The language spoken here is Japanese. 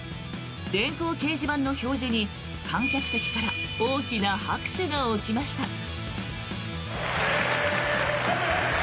電光掲示板の表示に、観客席から大きな拍手が起きました。